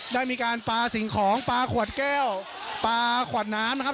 ได้มีการปลาสิ่งของปลาขวดแก้วปลาขวดน้ำนะครับ